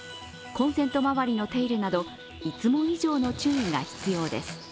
コンセント周りの手入れなど、いつも以上の注意が必要です。